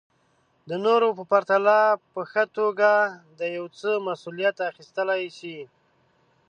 د نورو په پرتله په ښه توګه د يو څه مسوليت اخيستلی شي.